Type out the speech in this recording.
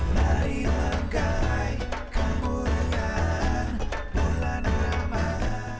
marilah gapai kemuliaan bulan ramadhan